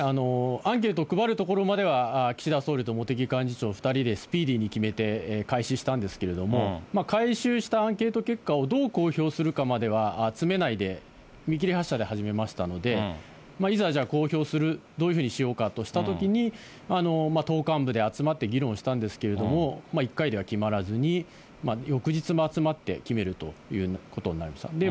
アンケートを配るところまでは岸田総理と茂木幹事長２人でスピーディーに決めて開始したんですけれども、回収したアンケート結果をどう公表するかまでは、詰めないで見切り発車で始めましたので、いざ、公表する、どういうふうにしようかとしたときに、党幹部で集まって議論したんですけれども、１回では決まらずに、翌日も集まって決めるということになりました。